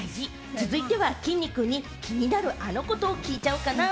続いては、きんに君に気になる、あのことを聞いちゃおうかな。